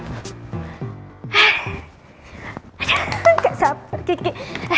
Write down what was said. aduh gak sabar kiki